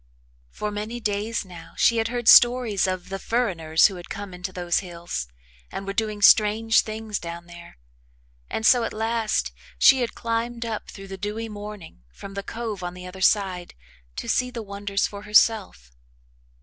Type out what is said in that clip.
For many days now she had heard stories of the "furriners" who had come into those hills and were doing strange things down there, and so at last she had climbed up through the dewy morning from the cove on the other side to see the wonders for herself.